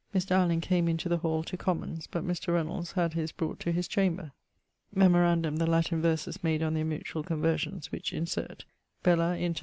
Allen came into the hall to commons, but Mr. Reynolds had his brought to his chamber. [IV.] Memorandum the Latin verses made on their mutual conversions which insert. Bella inter